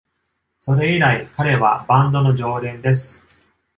それ以来、彼はバンドの常連です。